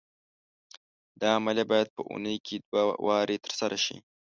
دا عملیه باید په اونۍ کې دوه وارې تر سره شي.